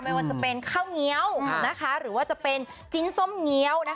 ไม่ว่าจะเป็นข้าวเงี้ยวหรือว่าจะเป็นจิ้นส้มเงี้ยว